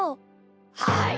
はい。